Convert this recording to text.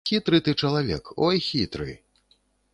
Хітры ты чалавек, ой хітры!